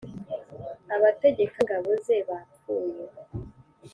’abategeka b’ingabo ze babpfuye